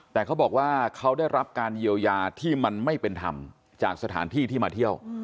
แต่เขาบอกว่าเขาได้รับการเยียวยาที่มันไม่เป็นธรรมจากสถานที่ที่มาเที่ยว